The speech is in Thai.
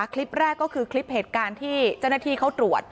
คลิปแรกก็คือคลิปเหตุการณ์ที่เจ้าหน้าที่เขาตรวจ